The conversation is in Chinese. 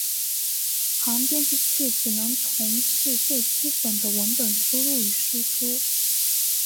行编辑器只能从事最基本的文本输入与输出。